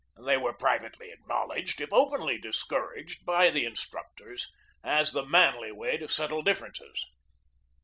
They were privately acknowledged, if openly discouraged, by the instructors as the manly way to settle differ ences.